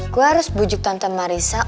gue harus bujuk tonton marissa